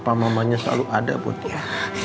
papa mamanya selalu ada buat dia